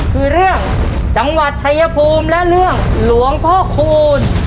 คือเรื่องจังหวัดชายภูมิและเรื่องหลวงพ่อคูณ